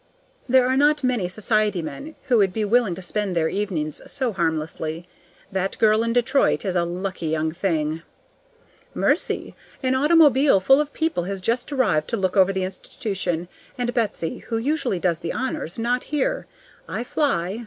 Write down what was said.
There are not many society men who would be willing to spend their evenings so harmlessly. That girl in Detroit is a lucky young thing. Mercy! An automobile full of people has just arrived to look over the institution, and Betsy, who usually does the honors, not here. I fly.